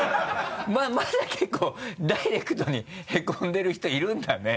まだ結構ダイレクトにへこんでる人いるんだね？